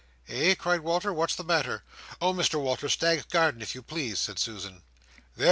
"Eh?" cried Walter; "what is the matter?" "Oh, Mr Walter, Staggs's Gardens, if you please!" said Susan. "There!"